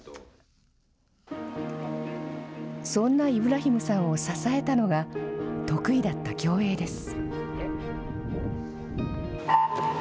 そんなイブラヒムさんを支えたのが、得意だった競泳です。